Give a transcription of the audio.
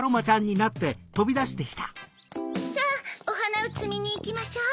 さぁおはなをつみにいきましょう。